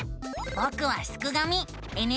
ぼくはすくがミ。